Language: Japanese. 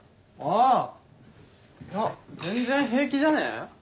あいや全然平気じゃね？